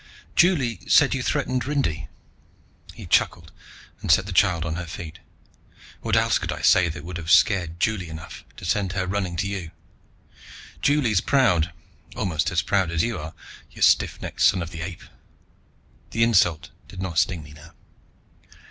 "Juli said you threatened Rindy." He chuckled and set the child on her feet. "What else could I say that would have scared Juli enough to send her running to you? Juli's proud, almost as proud as you are, you stiff necked Son of the Ape." The insult did not sting me now.